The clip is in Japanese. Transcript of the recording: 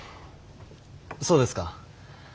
そうですか。